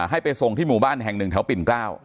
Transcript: ให้ไปส่งที่หมู่บ้านแห่งหนึ่งแถวปิ่นเกล้า